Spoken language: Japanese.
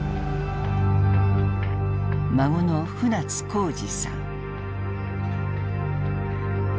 孫の船津康次さん。